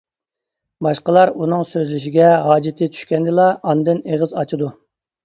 باشقىلار ئۇنىڭ سۆزلىشىگە ھاجىتى چۈشكەندىلا ئاندىن ئېغىز ئاچىدۇ.